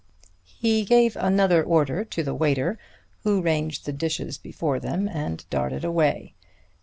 He gave another order to the waiter, who ranged the dishes before them and darted away.